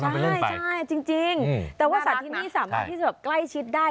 ใช่จริงแต่ว่าสัตว์ที่นี่สามารถที่จะแบบใกล้ชิดได้